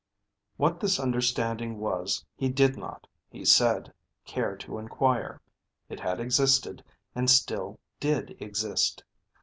What this understanding was he did not, he said, care to inquire. It had existed and still did exist.